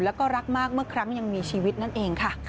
แล้วก็รักมากเมื่อครั้งยังมีชีวิตนั่นเองค่ะ